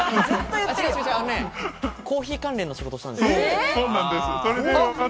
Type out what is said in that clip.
コーヒー関連の仕事したんですよ。